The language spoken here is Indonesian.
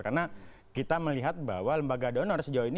karena kita melihat bahwa lembaga donor sejauh ini